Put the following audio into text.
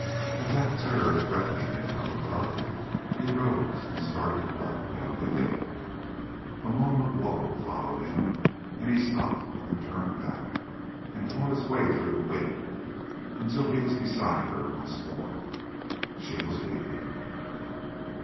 With that terror threatening him from above, he rose and started to run down the hill. A moan of woe followed him, and he stopped and turned back, and fought his way through the wind until he was beside her once more. She was weeping.